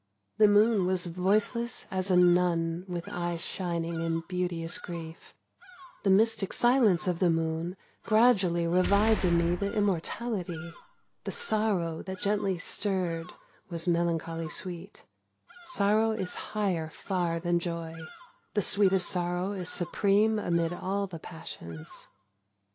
The moon was voiceless as a nun With eyes shining in beauteous grief: The mystic silence of the moon Under the Moon 39 Gradually revived in me the Immortality, The sorrow that gently stirred Was melancholy sweet : sorrow is higher Far than joy, the sweetest sorrow is supreme Amid all the passions.